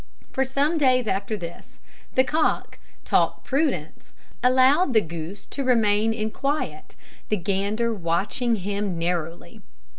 For some days after this, the cock, taught prudence, allowed the goose to remain in quiet, the gander watching him narrowly.